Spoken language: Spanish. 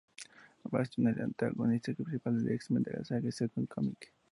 Bastion es el antagonista principal de los X-Men en la saga "Second Coming".